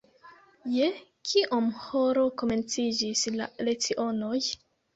Je kioma horo komenciĝis la lecionoj?